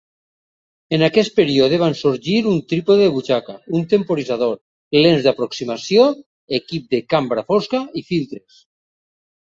En aquest període van sorgir un trípode de butxaca, un temporitzador, lents d'aproximació, equip de cambra fosca i filtres.